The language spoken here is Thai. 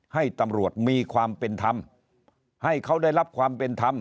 ให้ตำรวจมีความเป็นธรรมให้เขาได้รับความเป็นธรรม